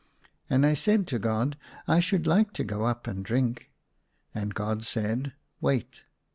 And I said to God, " I should like to go up and drink." And God said, "Wait."